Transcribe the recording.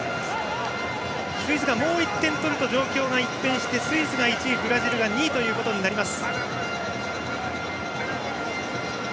スイスがもう１点取ると状況が一変してスイスが１位ブラジルが２位となります。